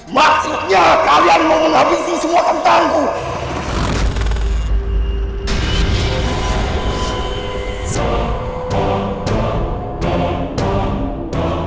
maksudnya kalian mau menghabisi semua kentangku